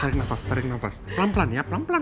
tarik nafas taring nafas pelan pelan ya pelan pelan